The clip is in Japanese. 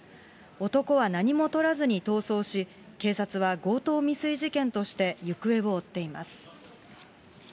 男は何もとらずに逃走し、警察は強盗未遂事件として行方を追っています。